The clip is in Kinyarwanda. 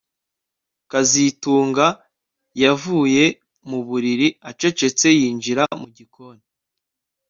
kazitunga yavuye mu buriri acecetse yinjira mu gikoni